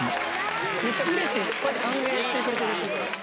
めっちゃうれしいです、歓迎してくれてるし。